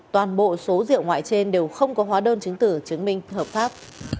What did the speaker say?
toàn bộ số rượu ngoại trên đều không có hóa đơn chứng tử chứng minh hợp pháp